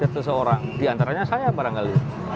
seseorang diantaranya saya barangkali